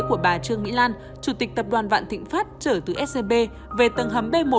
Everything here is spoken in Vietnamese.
của bà trương mỹ lan chủ tịch tập đoàn vạn thịnh pháp trở từ scb về tầng hầm b một